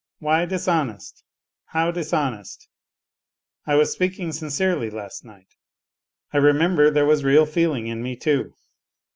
" Why dishonest ? How dishonest ? I was speaking sin cerely last night. I remember there was real feeling in me, too.